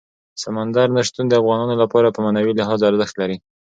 سمندر نه شتون د افغانانو لپاره په معنوي لحاظ ارزښت لري.